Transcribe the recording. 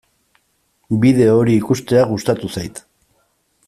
Bideo hori ikustea gustatu zait.